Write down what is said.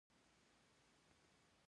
امريکنز.